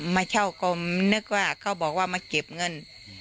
มาเช่ากรมนึกว่าเขาบอกว่ามาเก็บเงิน